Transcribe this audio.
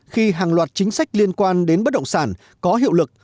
khi hàng loạt chính sách liên quan đến bất động sản có hiệu lực